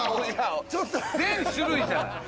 全種類じゃない？